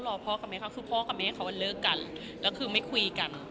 พ่อกับแม่เขาคือพ่อกับแม่เขาเลิกกันแล้วคือไม่คุยกัน